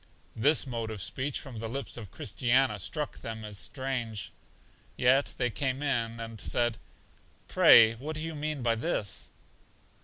This mode of speech from the lips of Christiana struck them as strange. Yet they came in, and said, Pray what do you mean by this?